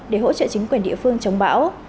để hỗ trợ chính quyền địa phương chống bão